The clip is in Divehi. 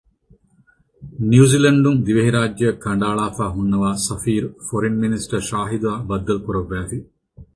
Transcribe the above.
ނިއުޒިލެންޑުން ދިވެހިރާއްޖެއަށް ކަނޑައަޅާފައި ހުންނަވާ ސަފީރު، ފޮރިން މިނިސްޓަރ ޝާހިދުއާއި ބައްދަލުކުރައްވައިފި